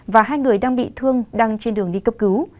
và hai người đang bị thương đang trên đường đi cấp cứu